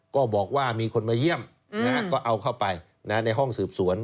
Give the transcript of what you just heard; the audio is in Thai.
ก็บอกว่ามีคนมาเยี่ยมก็เอาเข้าไปในห้องสืบสวน